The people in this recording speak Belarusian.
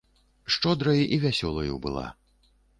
Шчодрай і вясёлаю была.